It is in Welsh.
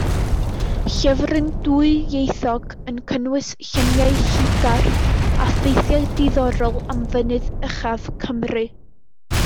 Llyfryn dwyieithog yn cynnwys lluniau lliwgar a ffeithiau diddorol am fynydd uchaf Cymru.